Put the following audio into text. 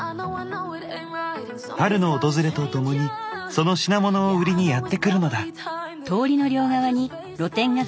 春の訪れとともにその品物を売りにやって来るのだ。